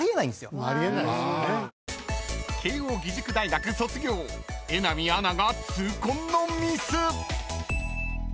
［慶應義塾大学卒業榎並アナが痛恨のミス！］